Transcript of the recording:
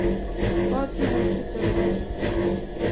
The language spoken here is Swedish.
Vad som helst utöver det.